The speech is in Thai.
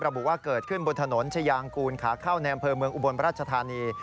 ระบุว่าเกิดขึ้นบนถนนชายางกูลขาเข้าในอำเภอเมืองอุบลราชธานี